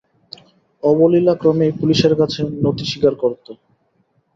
অবলীলাক্রমেই পুলিশের কাছে নতি স্বীকার করত।